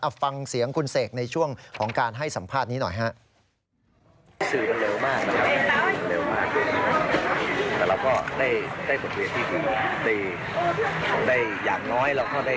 ฟังเสียงคุณเสกในช่วงของการให้สัมภาษณ์นี้หน่อยฮะ